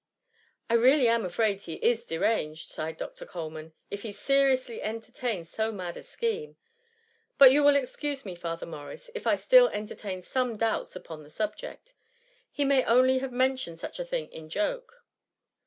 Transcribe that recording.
'^^^ I really am afraid he is deranged,^' sighed Dr. Coleman^ ^^ if he seriously entertains so mad a scheme : but you will excuse me, Father Morris, if I still entertain some doubts upon the subject. He may only have mentioned such a thing in joke.